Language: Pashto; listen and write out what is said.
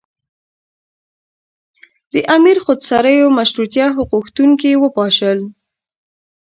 د امیر خودسریو مشروطیه غوښتونکي وپاشل.